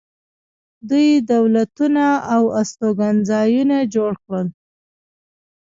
دوی دولتونه او استوګنځایونه جوړ کړل.